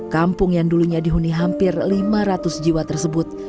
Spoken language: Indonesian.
kampung yang dulunya dihuni hampir lima ratus jiwa tersebut